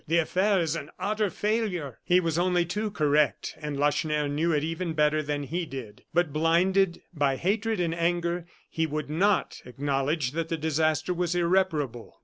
"The affair is an utter failure!" He was only too correct; and Lacheneur knew it even better than he did. But, blinded by hatred and anger, he would not acknowledge that the disaster was irreparable.